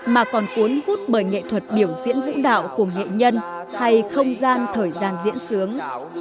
mà còn cuốn hút bởi nghệ thuật biểu diễn vũ đạo của nghệ nhân hay không gian thời gian diễn sướng